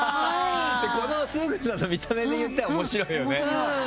この崇勲さんの見た目で言ったら面白いよね。